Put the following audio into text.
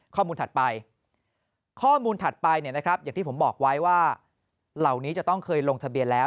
ข้อมูลถัดไปข้อมูลถัดไปเนี่ยนะครับอย่างที่ผมบอกไว้ว่าเหล่านี้จะต้องเคยลงทะเบียนแล้ว